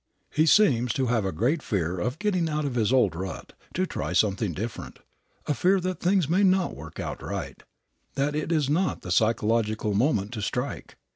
He seems to have a great fear of getting out of his old rut, to try something different, a fear that things may not work out right, that it is not the psychological moment to strike.